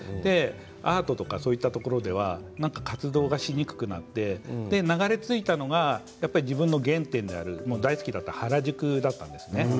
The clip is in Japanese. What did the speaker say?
アートとかそういったところでは活動しにくくなって流れ着いたのが自分の原点である大好きだった原宿だったんですね。